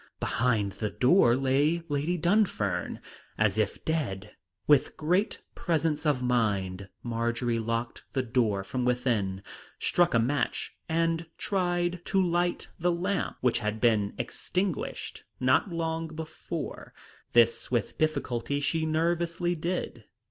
Behind the door lay Lady Dunfern, as if dead. With great presence of mind Marjory locked the door from within, struck a match, and tried to light the lamp, which had been extinguished not long before; this with difficulty she nervously did.